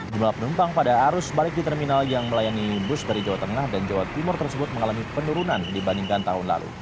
jumlah penumpang pada arus balik di terminal yang melayani bus dari jawa tengah dan jawa timur tersebut mengalami penurunan dibandingkan tahun lalu